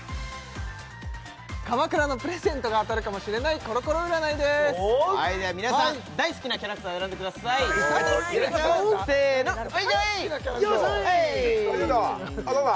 鎌倉のプレゼントが当たるかもしれないコロコロ占いですでは皆さん大好きなキャラクターを選んでくださいせのよいしょよいしょ出たどうだ？